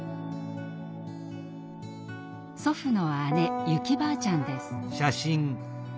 祖父の姉ユキばあちゃんです。